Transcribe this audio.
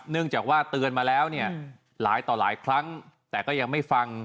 เนื่องจากว่าเตือนมาแล้วเนี่ยหลายต่อหลายครั้งแต่ก็ยังไม่ฟัง